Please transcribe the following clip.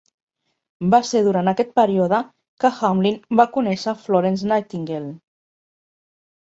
Va ser durant aquest període que Hamlin va conèixer a Florence Nightingale.